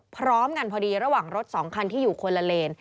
พร้อมกันพอดีระหว่างรถสองคันที่อยู่คนละเลน